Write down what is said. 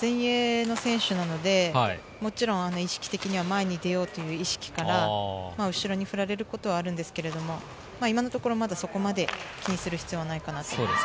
前衛の選手なので、もちろん意識的に前に出ようという意識から後ろに振られることはあるんですけど、今のところ、まだそこまで気にする必要はないかなと思います。